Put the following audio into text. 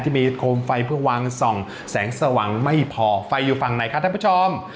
โคมไฟเพื่อวางส่องแสงสว่างไม่พอไฟอยู่ฝั่งไหนคะท่านผู้ชม